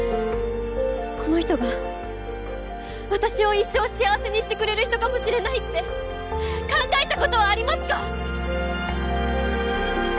この人が私を一生幸せにしてくれる人かもしれないって考えたことはありますか